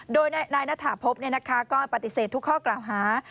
โดยนายณฐาพบก็ปฏิเสธทุกข้อกล่าวหา